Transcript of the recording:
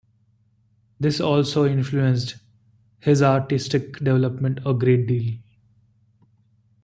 This also influenced his artistic development a great deal.